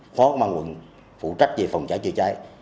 phó công an quận phụ trách về phòng cháy chữa cháy